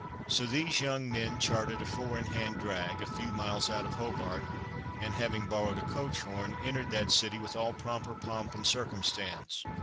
So these young men chartered a four in hand drag, a few miles out of Hobart, and having borrowed a coach horn, entered that city with all proper pomp and circumstance.